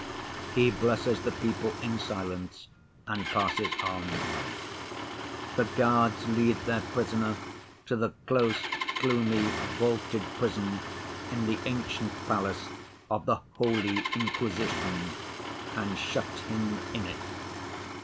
He blesses the people in silence and passes on. The guards lead their prisoner to the close, gloomy vaulted prison in the ancient palace of the Holy Inquisition and shut Him in it.